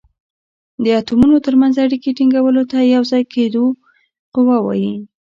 د اتومونو تر منځ اړیکې ټینګولو ته د یو ځای کیدو قوه وايي.